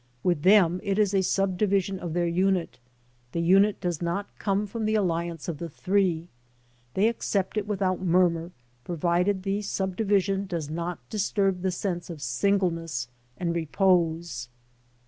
With them it is a subdivision of their unit : the unit does not come from the alliance of the three ; they accept it without murmur, provided the subdivision does not disturb the sense of singleness and repose.